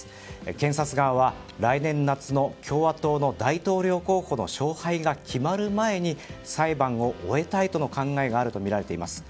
検察側は来年の夏の共和党の大統領候補の勝敗が決まる前に裁判を終えたいとの考えがあるとみられています。